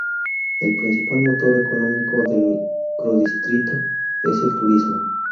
El principal motor económico del microdistrito es el turismo.